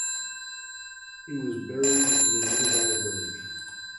He was buried in a nearby village.